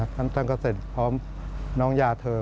ท่านก็เสร็จพร้อมน้องยาเธอ